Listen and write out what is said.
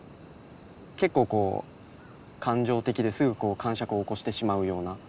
結構こう感情的ですぐかんしゃくを起こしてしまうような。